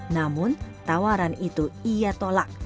namun tawaran itu ia tolak